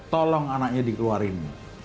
tolong anaknya dikeluarin